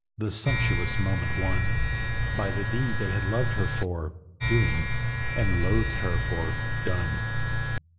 the sumptuous monument won By the deed they had loved her for, doing, and loathed her for, done.